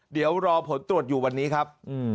เดี๋ยวรอผลตรวจอยู่วันนี้ครับ